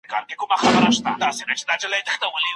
په ودونو کي خلګ د شريعت احکامو ته څنګه درناوی کوي؟